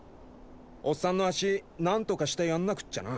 オッサンの足何とかしてやんなくっちゃな。